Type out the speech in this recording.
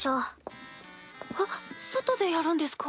え外でやるんですか？